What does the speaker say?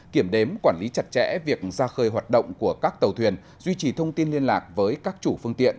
kiểm đếm quản lý chặt chẽ việc ra khơi hoạt động của các tàu thuyền duy trì thông tin liên lạc với các chủ phương tiện